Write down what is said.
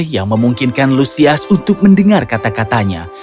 yang memungkinkan lusias untuk mendengar kata katanya